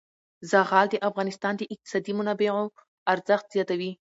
زغال د افغانستان د اقتصادي منابعو ارزښت زیاتوي.